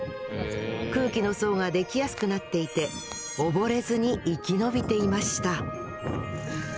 空気の層ができやすくなっていて溺れずに生き延びていました